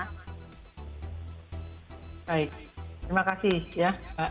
baik terima kasih ya